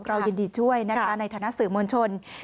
เรายินดีช่วยนะคะในฐานะสื่อมวลชน